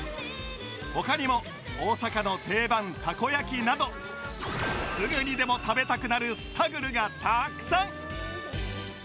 ほかにも大阪の定番たこやきなどすぐにでも食べたくなるスタグルがたくさん！